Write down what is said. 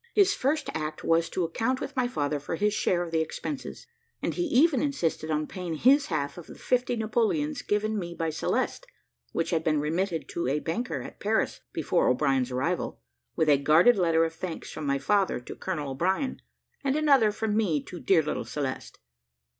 His first act was, to account with my father for his share of the expenses; and he even insisted upon paying his half of the fifty Napoleons given me by Celeste, which had been remitted to a banker at Paris before O'Brien's arrival, with a guarded letter of thanks from my father to Colonel O'Brien, and another from me to dear little Celeste.